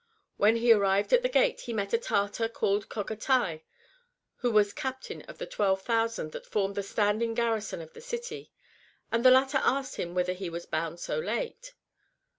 When he arrived at the gate he met a Tartar called Cogatai, who was Captain of the 12,000 that formed the standing garrison of the City ; and the latter asked him whither he was bound so late.